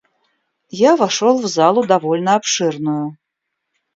Я вошел в залу довольно обширную.